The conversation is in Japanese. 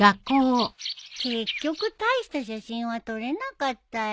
結局大した写真は撮れなかったよ。